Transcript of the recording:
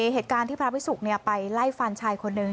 เหตุการณ์ที่พระพิสุกไปไล่ฟันชายคนหนึ่ง